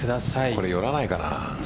これ、寄らないかな。